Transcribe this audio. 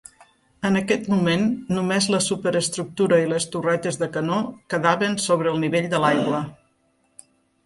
En aquest moment només la superestructura i les torretes de canó quedaven sobre el nivell de l'aigua.